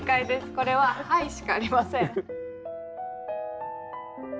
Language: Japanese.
これは「はい」しかありません。